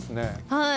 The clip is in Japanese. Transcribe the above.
はい。